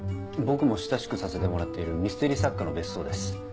僕も親しくさせてもらっているミステリ作家の別荘です。